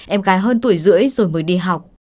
em gái hơn tuổi rưỡi rồi mới đi học